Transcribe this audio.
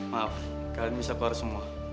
maaf kalian bisa keluar semua